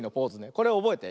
これおぼえて。